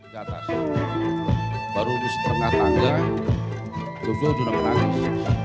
di atas baru di setengah tangga jokowi menangis